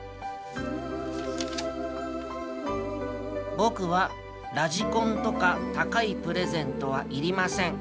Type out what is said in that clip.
「ぼくはラジコンとかたかいプレゼントはいりません。